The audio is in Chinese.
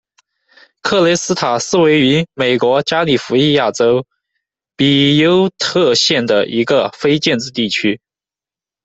克雷斯塔是位于美国加利福尼亚州比尤特县的一个非建制地区。